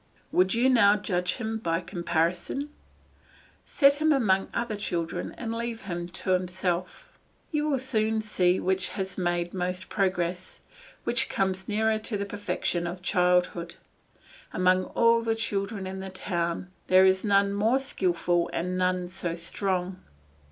Would you now judge him by comparison? Set him among other children and leave him to himself. You will soon see which has made most progress, which comes nearer to the perfection of childhood. Among all the children in the town there is none more skilful and none so strong.